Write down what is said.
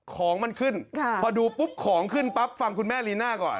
ของมันขึ้นพอดูปุ๊บของขึ้นปั๊บฟังคุณแม่ลีน่าก่อน